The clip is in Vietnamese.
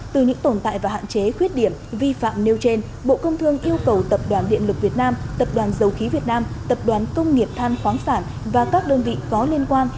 từ những tồn tại và hạn chế khuyết điểm vi phạm nêu trên bộ công thương yêu cầu tập đoàn điện lực việt nam tập đoàn dầu khí việt nam tập đoàn công nghiệp than khoáng sản và các đơn vị có liên quan